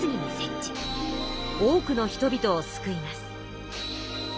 多くの人々を救います。